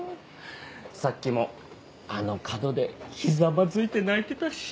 さっきもあの角でひざまずいて泣いてたし。